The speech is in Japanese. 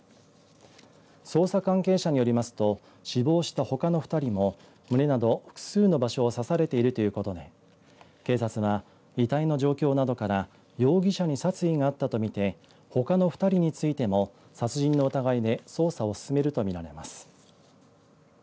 捜査関係者によりますと死亡したほかの２人も胸など複数の場所を刺されているということで警察は、遺体の状況などから容疑者に殺意があったとみてほかの２人についても殺人の疑いで捜査を進めるとみられます。